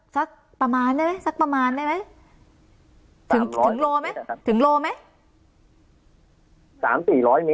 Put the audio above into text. สักประมาณได้ไหมถึงโลไหม